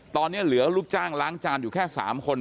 ตอนนี้เหลือลูกจ้างล้างจานอยู่แค่๓คน